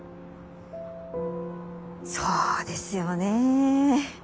そうですよね。